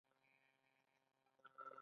ایا اوږې مو درد کوي؟